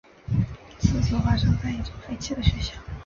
此作发生在一所废弃的学校。